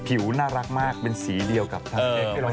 ผิวน่ารักมากเป็นสีเดียวกับทั้งเล็ก